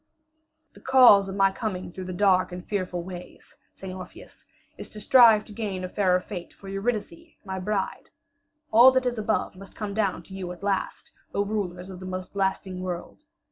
"The cause of my coming through the dark and fearful ways," sang Orpheus, "is to strive to gain a fairer fate for Eurydice, my bride. All that is above must come down to you at last, O rulers of the most lasting world.